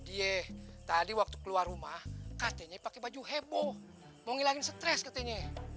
dia tadi waktu keluar rumah katanya pake baju heboh mau ngelagin stres katanya